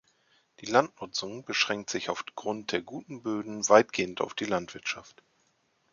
Die Landnutzung beschränkt sich auf Grund der guten Böden weitgehend auf die Landwirtschaft.